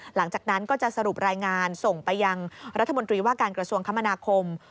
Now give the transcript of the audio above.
หลังจากนั้นก็จะสรุปรายงานส่งไปยังรัฐมนตรีว่าการกระทรวงคมนาคม